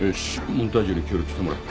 モンタージュに協力してもらえ。